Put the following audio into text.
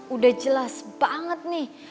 udah jelas banget nih